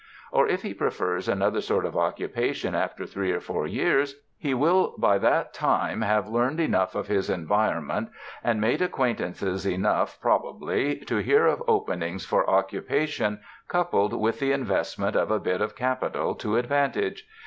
Or if he prefers another sort of occupa tion after three or four years, he will by that time have learned enough of his environment and made acquaintances enough probably to hear of openings for occupation coupled with the investment of a bit of capital to advantage.